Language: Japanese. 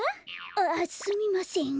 あっすみません。